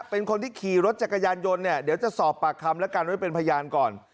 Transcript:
เป็นคนที่ขี่รถจักรยานยนต์เนี่ยเดี๋ยวจะสอบปากคำและกันไว้เป็นพยานก่อน